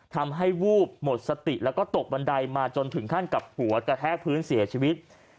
วูบหมดสติแล้วก็ตกบันไดมาจนถึงขั้นกับหัวกระแทกพื้นเสียชีวิต